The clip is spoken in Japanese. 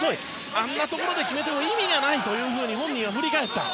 あんなところで決めても意味がないというふうに本人は振り返った。